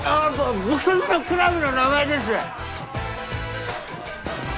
僕達のクラブの名前です